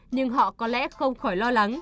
nhưng họ có lẽ không khỏi lo lắng